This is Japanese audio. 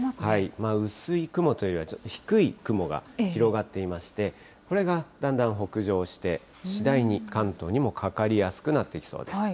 薄い雲というか、低い雲が広がっていまして、これがだんだん北上して、次第に関東にもかかりやすくなってきそうです。